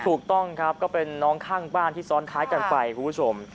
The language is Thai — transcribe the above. ถูกต้องครับก็เป็นน้องข้างบ้านที่ซ้อนท้ายกันไปคุณผู้ชม